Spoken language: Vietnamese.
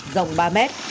dòng ba mét